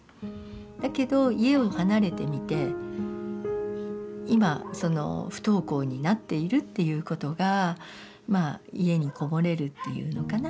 だけど家を離れてみて今その不登校になっているっていうことが家に籠もれるっていうのかな。